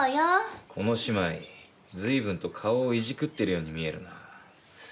この姉妹随分と顔をいじくってるように見えるな。